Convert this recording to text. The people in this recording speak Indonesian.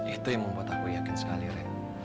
itu yang membuat aku yakin sekali rein